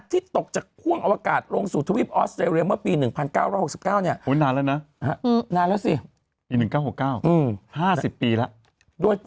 ที่ตกจากพ่วงอวกาศลงสู่ทวีปออสเตรเลียเมื่อปี๑๙๖๙เนี่ย